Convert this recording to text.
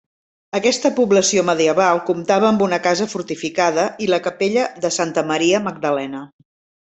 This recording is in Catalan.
Aquesta població medieval comptava amb una casa fortificada i la capella de Santa Maria Magdalena.